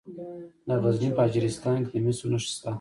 د غزني په اجرستان کې د مسو نښې شته.